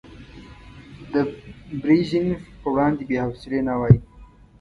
د بريژينف په وړاندې بې حوصلې نه وای.